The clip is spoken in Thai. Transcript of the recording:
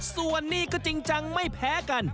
ส่วนนี้ก็จริงจังไม่แพ้กัน